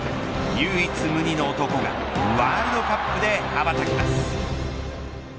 唯一無二の男がワールドカップで羽ばたきます。